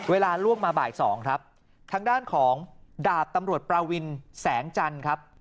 เวลาล่วงมาบ่าย๒ครับทางด้านของดาบตำรวจปราวินแสงจันทร์ครับ